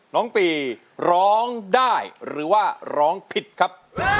น้องปีร้องได้หรือว่าร้องผิดครับ